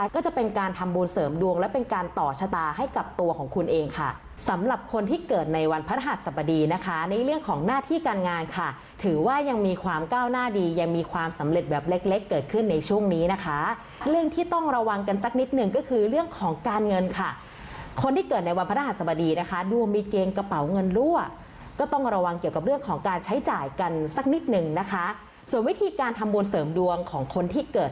ก็จะเป็นการทำบูลเสริมดวงและเป็นการต่อชะตาให้กับตัวของคุณเองค่ะสำหรับคนที่เกิดในวันพระราชสมดีนะคะในเรื่องของหน้าที่การงานค่ะถือว่ายังมีความก้าวหน้าดียังมีความสำเร็จแบบเล็กเกิดขึ้นในช่วงนี้นะคะเรื่องที่ต้องระวังกันสักนิดนึงก็คือเรื่องของการเงินค่ะคนที่เกิดในวันพระราชสมดี